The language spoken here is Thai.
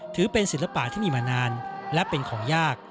ถือเป็นศิลปะที่มีมานานและเป็นของยาก